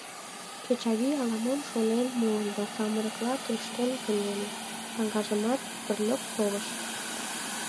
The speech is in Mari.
Чачавий ала-мом шонен муо да самырыкла тӧрштен кынеле, саҥгажымат бырльоп совыш.